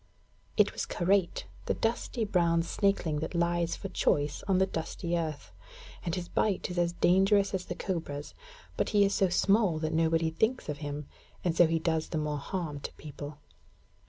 It was Karait, the dusty brown snakeling that lies for choice on the dusty earth; and his bite is as dangerous as the cobra's. But he is so small that nobody thinks of him, and so he does the more harm to people.